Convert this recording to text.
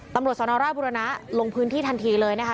ตำรวจสนราชบุรณะลงพื้นที่ทันทีเลยนะคะ